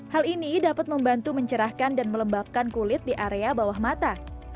hal ini dapat membantu mencerahkan dan melembabkan kulit di area bawah mata